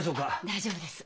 大丈夫です。